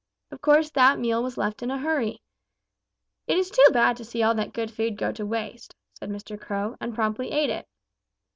Of course that meal was left in a hurry. 'It is too bad to see all that good food go to waste,' said Mr. Crow and promptly ate it.